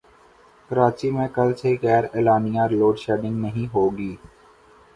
کراچی میں کل سے غیراعلانیہ لوڈشیڈنگ نہیں ہوگی